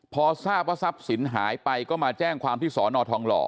พอทราบว่าทรัพย์สินหายไปก็มาแจ้งความที่สอนอทองหล่อ